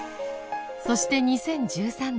そして２０１３年